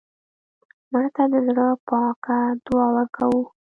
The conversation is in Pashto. مړه ته د زړه پاکه دعا ورکوو